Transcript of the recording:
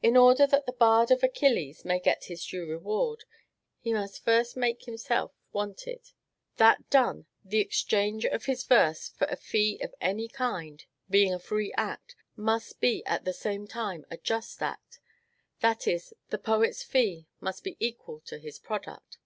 In order that the bard of Achilles may get his due reward, he must first make himself wanted: that done, the exchange of his verse for a fee of any kind, being a free act, must be at the same time a just act; that is, the poet's fee must be equal to his product.